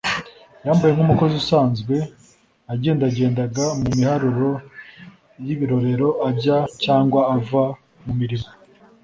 Yambaye nk'umukozi usanzwe, yagendagendaga mu miharuro y'ibirorero ajya cyangwa ava mu murimo